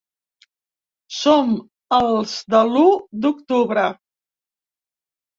Som els de l’u d’octubre.